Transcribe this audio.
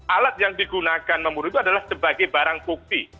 alat yang digunakan memburu itu adalah sebagai barang bukti